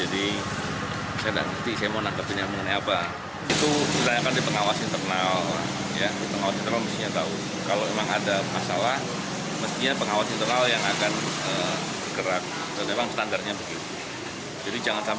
dan memang standarnya begitu